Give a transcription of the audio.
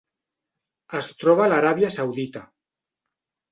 Es troba a l'Aràbia Saudita.